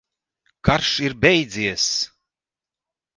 Karš ir beidzies!